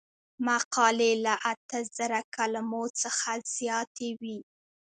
مقالې له اته زره کلمو څخه زیاتې وي.